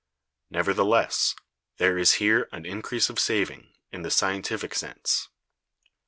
Nevertheless, there is here an increase of saving, in the scientific sense.